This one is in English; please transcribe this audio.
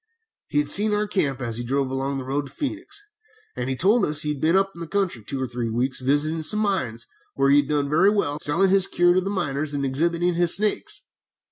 "He had seen our camp, as he drove along the road to Phœnix, and he told us he had been up country for two or three weeks visiting some mines, where he had done very well, selling his cure to the miners and exhibiting his snakes.